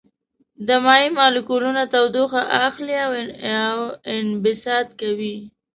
د مایع مالیکولونه تودوخه اخلي او انبساط کوي.